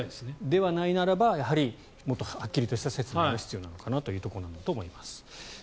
ではないならばやはりもっとはっきりした説明が必要なのかなというところだと思います。